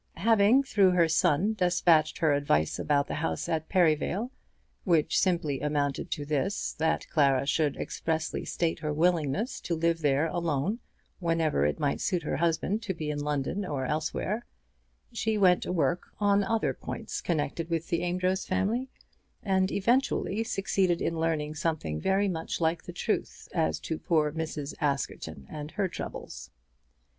Having, through her son, despatched her advice about the house at Perivale, which simply amounted to this, that Clara should expressly state her willingness to live there alone whenever it might suit her husband to be in London or elsewhere, she went to work on other points connected with the Amedroz family, and eventually succeeded in learning something very much like the truth as to poor Mrs. Askerton and her troubles.